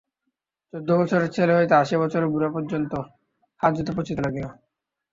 চৌদ্দ বৎসরের ছেলে হইতে আশি বৎসরের বুড়া পর্যন্ত হাজতে পচিতে লাগিল।